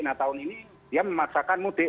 nah tahun ini dia memaksakan mudik